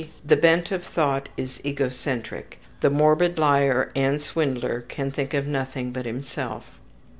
The bent of thought is egocentric, the morbid liar and swindler can think of nothing but himself.